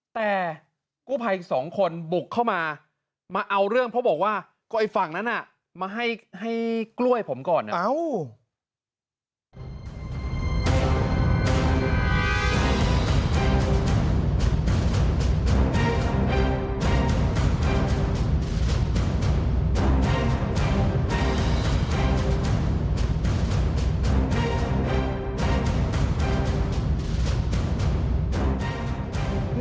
แต่กู้ภัยสองคนบุกเข้ามามาเอาเรื่องเพราะบอกว่าก็ไอ้ฝั่งนั้นน่ะมาให้กล้วยผมก่อนเนี่ย